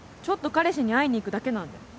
ちょっと彼氏に会いに行くだけなんで。